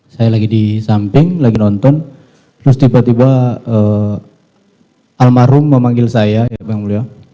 saya lagi di samping lagi nonton terus tiba tiba almarhum memanggil saya bang mulyo